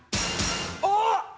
あっ！